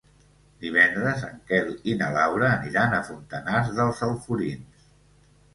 Divendres en Quel i na Laura aniran a Fontanars dels Alforins.